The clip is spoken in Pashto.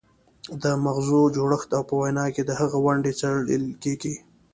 د مغزو جوړښت او په وینا کې د هغې ونډه څیړل کیږي